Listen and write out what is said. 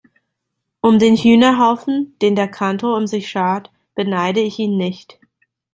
Um den Hühnerhaufen, den der Kantor um sich schart, beneide ich ihn nicht.